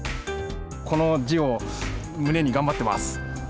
この字を胸に頑張ってます。